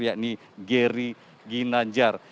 yakni geri ginanjar